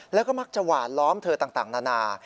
แล้วก็มักจะหวานล้อมเธอต่างนานา